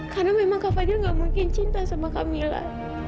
karena memang kak fadhil tidak mungkin cinta dengan camilla